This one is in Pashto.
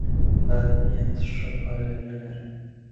بد نیت ښه پایله نه لري.